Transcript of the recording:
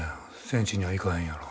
戦地には行かへんやろ。